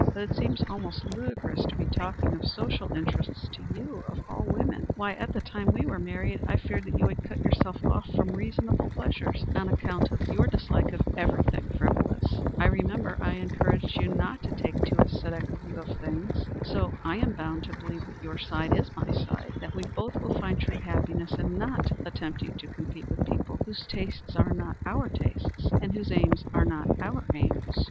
But it seems almost ludicrous to be talking of social interests to you, of all women. Why, at the time we were married, I feared that you would cut yourself off from reasonable pleasures on account of your dislike of everything frivolous. I remember I encouraged you not to take too ascetic a view of such things. So I am bound to believe that your side is my side that we both will find true happiness in not attempting to compete with people whose tastes are not our tastes, and whose aims are not our aims."